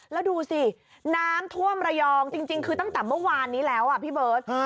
แล้วดูสิน้ำท่วมระยองจริงคือตั้งแต่เมื่อวานนี้แล้วอ่ะพี่เบิร์ต